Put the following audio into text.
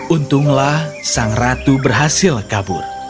untunglah sang ratu berhasil kabur